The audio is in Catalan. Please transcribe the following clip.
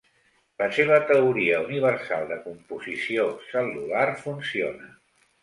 La seva “teoria universal de composició cel·lular” funciona.